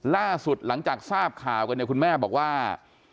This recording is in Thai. ล่าสุดหลังจากทราบข่าวกันเนี่ยคุณแม่บอกว่า